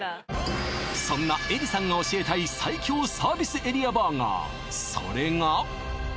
そんなエリさんが教えたい最強サービスエリアバーガー